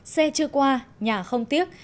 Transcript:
xe chưa qua nhà không tiếc